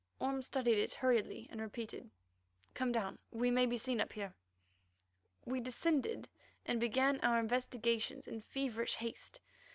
Orme studied it hurriedly and repeated, "Come down; we may be seen up here." We descended and began our investigations in feverish haste.